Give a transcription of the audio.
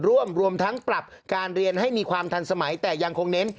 รวมรวมทั้งปรับการเรียนให้มีความทันสมัยแต่ยังคงเน้น